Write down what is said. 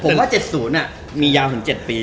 ผมว่าเจ็ดศูนย์อ่ะมียาวถึงเจ็ดปี